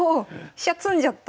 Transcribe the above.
飛車詰んじゃった！